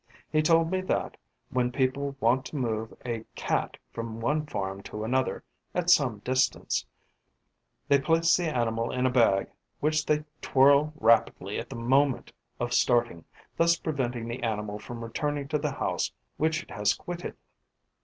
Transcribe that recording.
He told me that, when people want to move a Cat from one farm to another at some distance, they place the animal in a bag which they twirl rapidly at the moment of starting, thus preventing the animal from returning to the house which it has quitted.